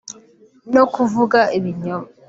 no kuvuga ibinyoma